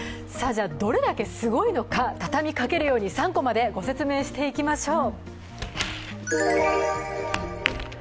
どれだけすごいのかたたみかけるように３コマでご説明していきましょう。